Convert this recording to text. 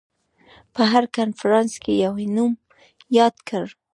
په هر کنفرانس کې یې نوم یاد کړ.